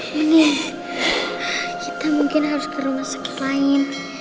ini kita mungkin harus ke rumah sakit lain